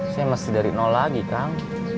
saya masih dari nol lagi kang